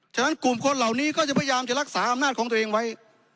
ฉะนั้นกลุ่มคนเหล่านี้ก็จะพยายามจะรักษาอำนาจของตัวเองไว้